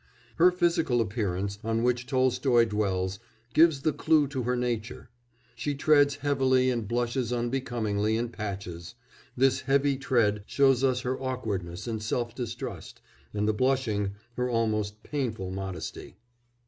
Her physical appearance, on which Tolstoy dwells, gives the clue to her nature; she treads heavily and blushes unbecomingly in patches; this heavy tread shows us her awkwardness and self distrust, and the blushing her almost painful modesty.